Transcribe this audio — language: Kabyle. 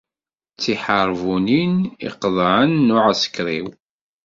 D tiḥerbunin iqeḍɛen n uɛeskriw.